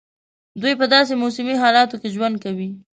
دوی په داسي موسمي حالاتو کې ژوند کوي.